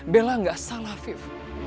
bella gak salah viv